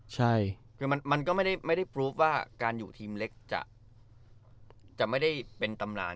ใช่คือมันก็ไม่ได้ปลูฟว่าการอยู่ทีมเล็กจะไม่ได้เป็นตำนาน